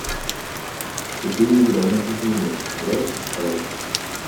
Будильник давно прозвенел, собираешься вставать?